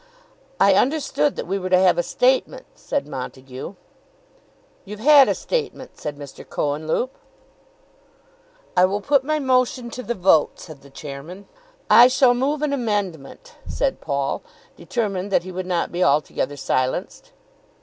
"I understood that we were to have a statement," said Montague. "You've had a statement," said Mr. Cohenlupe. "I will put my motion to the vote," said the Chairman. "I shall move an amendment," said Paul, determined that he would not be altogether silenced.